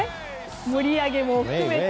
盛り上げも含めて。